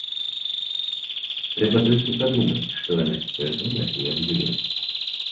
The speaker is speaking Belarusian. Трэба толькі падумаць, што яна цяпер думае і як жыве.